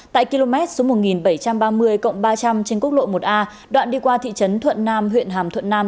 tại km số một nghìn bảy trăm ba mươi ba trăm linh trên quốc lộ một a đoạn đi qua thị trấn thuận nam huyện hàm thuận nam